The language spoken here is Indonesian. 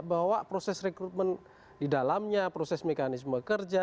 bahwa proses rekrutmen di dalamnya proses mekanisme kerja